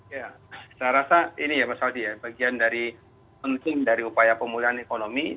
ya saya rasa ini ya mas aldi ya bagian dari penting dari upaya pemulihan ekonomi